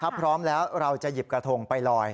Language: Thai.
ถ้าพร้อมแล้วเราจะหยิบกระทงไปลอย